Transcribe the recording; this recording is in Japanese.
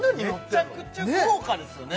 めちゃくちゃ豪華ですよね